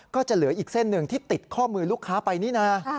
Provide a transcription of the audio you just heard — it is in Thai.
ก็จะเหลืออีกเส้นหนึ่งที่ติดข้อมือลูกค้าไปนี่นะ